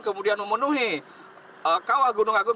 kemudian memenuhi kawah gunung agung